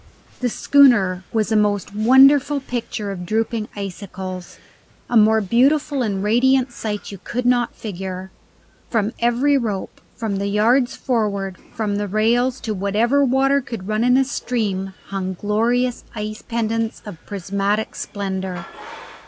The schooner was a most wonderful picture of drooping icicles. A more beautiful and radiant sight you could not figure. From every rope, from the yards forward, from the rails, from whatever water could run in a stream, hung glorious ice pendants of prismatic splendour.